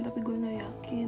tapi gue gak yakin